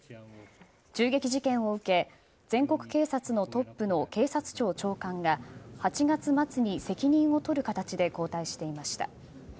銃撃事件を受け全国警察のトップの警察庁長官が８月末に責任を取る形で交代していました。